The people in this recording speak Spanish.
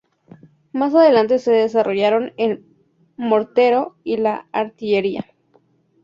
Más adelante se desarrollaron el mortero y la artillería.